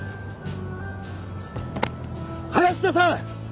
林田さん！